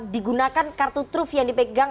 digunakan kartu truf yang dipegang